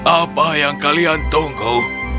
apa yang kalian tunggu